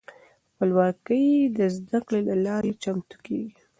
خپلواکې د زده کړې له لارې چمتو کیږي.